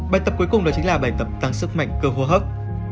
bài tập cuối cùng đó chính là bài tập tăng sức mạnh cơ hô hấp